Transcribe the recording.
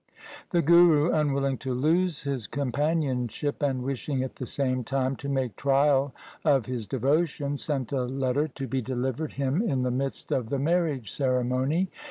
The Guru unwilling to lose his companionship, and wishing at the same time to make trial of his devotion, sent a letter to be delivered him in the midst of the marriage ceremony.